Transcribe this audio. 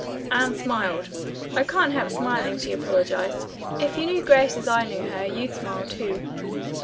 Anne smiled. "I can't help smiling," she apologized. "If you knew Grace as I know her, you'd smile, too."